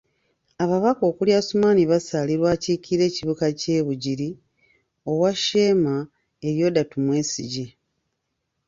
Ababaka okuli Asuman Basalirwa akiikirira ekibuga ky'e Bugiri, owa Sheema, Elioda Tumwesigye.